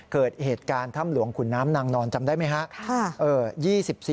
เกิดเหตุการณ์ถ้ำหลวงขุนน้ำนางนอนจำได้ไหมครับ